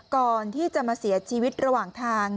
ก่อนที่จะมาเสียชีวิตระหว่างทาง